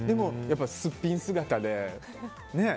すっぴん姿でね。